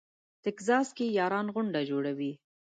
ټکزاس کې یاران غونډه جوړوي.